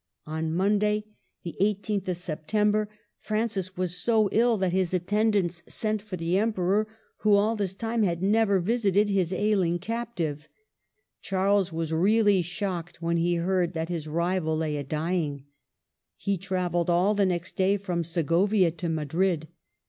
On Monday, the 1 8th of September, Francis was so ill that his attendants sent for the Emperor, who all this time had never visited his ailing captive. Charles was really shocked when he heard that his rival lay a dying. He travelled all the next day from Segovia to Madrid.